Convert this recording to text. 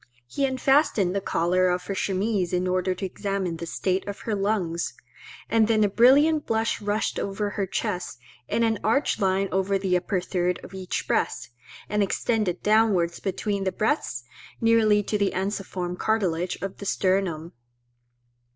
He unfastened the collar of her chemise in order to examine the state of her lungs; and then a brilliant blush rushed over her chest, in an arched line over the upper third of each breast, and extended downwards between the breasts nearly to the ensiform cartilage of the sternum.